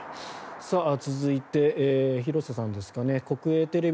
続いて廣瀬さんですかね。